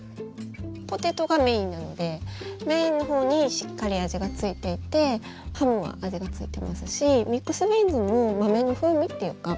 ポテトがメインなのでメインのほうにしっかり味が付いていてハムは味が付いてますしミックスビーンズも豆の風味っていうか